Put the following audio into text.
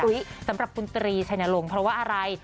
สำหรับคุณตรีชัยนรงค์เพราะว่าอะไร